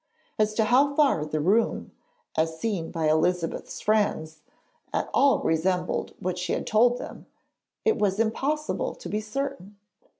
As to how far the room, as seen by Elizabeth's friends, at all resembled what she had told them, it is impossible to be certain.